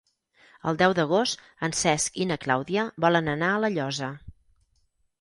El deu d'agost en Cesc i na Clàudia volen anar a La Llosa.